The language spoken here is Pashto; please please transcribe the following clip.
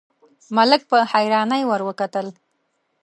ملک په حيرانۍ ور وکتل: